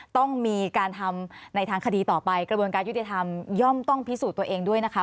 ต้องมีการทำในทางคดีต่อไปกระบวนการยุติธรรมย่อมต้องพิสูจน์ตัวเองด้วยนะคะ